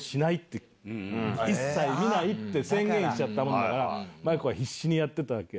一切見ないって宣言したから万由子は必死にやってたわけ。